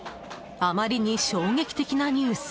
あまりに衝撃的なニュース。